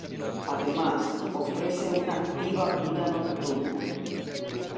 Además, ofrece una activa vida nocturna.